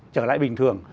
trở lại bình thường